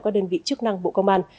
các đơn vị chức năng bộ công an